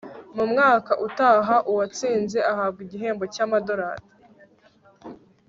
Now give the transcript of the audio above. mumwaka utaha. uwatsinze ahabwa igihembo cyamadorari